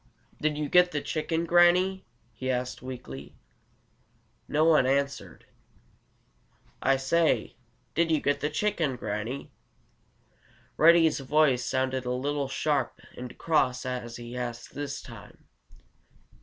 "Did you get the chicken, Granny?" he asked weakly. No one answered. "I say, did you get the chicken, Granny?" Reddy's voice sounded a little sharp and cross as he asked this time.